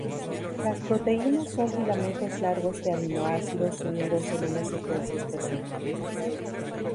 Las proteínas son filamentos largos de aminoácidos unidos en una secuencia específica.